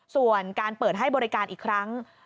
ส่วนการเปิดให้บริการอีกครั้ง